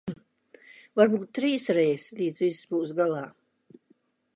Varbūt trīsreiz, līdz viss būs galā.